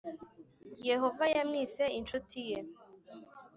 Yehova yamwise incuti ye